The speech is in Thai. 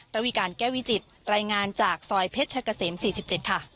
ระวิการแก้วิจิตรายงานจากซอยเพชรกะเสม๔๗ค่ะ